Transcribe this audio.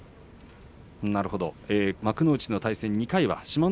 幕内の対戦２回は志摩ノ